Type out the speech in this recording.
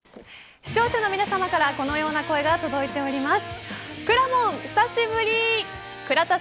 視聴者の皆さまからこのような声が届いております。